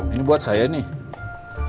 ini buat saya nih